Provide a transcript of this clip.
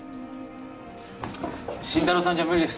新太郎さんじゃ無理です